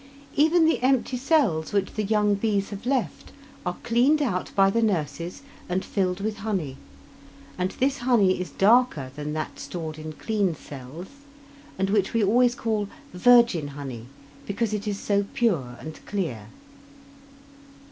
Even the empty cells which the young bees have left are cleaned out by the nurses and filled with honey; and this honey is darker than that stored in clean cells, and which we always call "virgin honey" because it is so pure and clear.